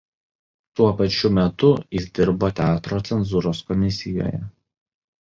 Tuo pačiu metu jis dirbo Teatro cenzūros komisijoje.